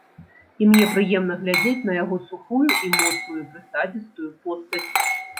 І мне прыемна глядзець на яго сухую і моцную, прысадзістую постаць.